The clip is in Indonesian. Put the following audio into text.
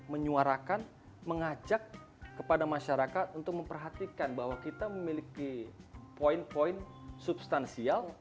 menyuarakan mengajak kepada masyarakat untuk memperhatikan bahwa kita memiliki poin poin substansial